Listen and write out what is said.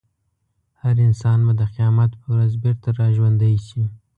هر انسان به د قیامت په ورځ بېرته راژوندی شي.